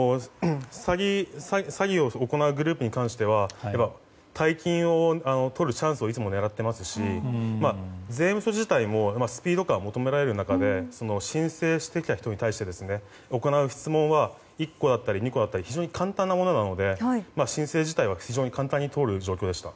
詐欺を行うグループに関しては大金をとるチャンスをいつも狙っていますし税務署自体もスピード感を求められる中で申請してきた人に対して行う質問は１個だったり２個だったり非常に簡単なものなので申請自体は非常に簡単に状況でした。